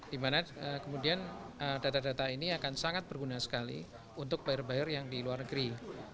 dimana kemudian data data ini akan sangat berguna sekali untuk bayar bayar yang di luar negeri